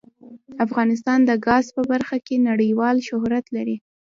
افغانستان د ګاز په برخه کې نړیوال شهرت لري.